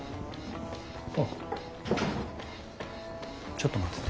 ちょっと待ってて。